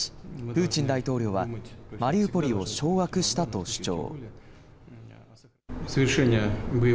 プーチン大統領は、マリウポリを掌握したと主張。